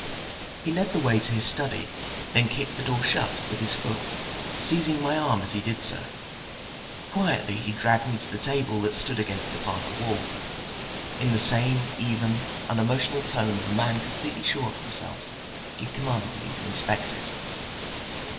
He led the way to his study, then kicked the door shut with his foot, seizing my arm as he did so. Quietly he dragged me to the table that stood against the farther wall. In the same even, unemotional tone of a man completely sure of himself, he commanded me to inspect it.